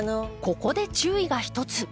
ここで注意がひとつ。